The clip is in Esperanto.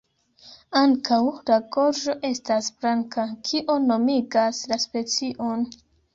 Ankaŭ la gorĝo estas blanka, kio nomigas la specion.